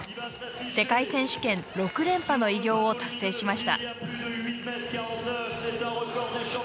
世界選手権６連覇の偉業を達成しました。